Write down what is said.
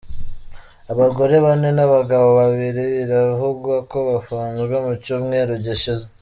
Abagore bane n’abagabo babiri biravugwa ko bafunzwe mu cyumweru gishize.